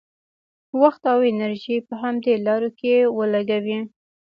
وخت او انرژي په همدې لارو کې ولګوي.